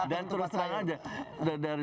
dan terus terang aja